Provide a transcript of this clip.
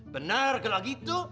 benar kalau gitu